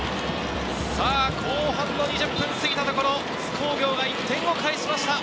後半２０分を過ぎたところ、津工業は１点を返しました。